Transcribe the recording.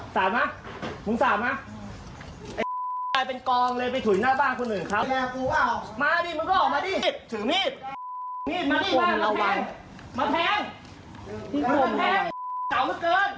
ถือมีดมาแทง